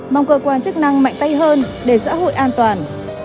mong cơ quan chức năng mạnh tay hơn để xã hội an toàn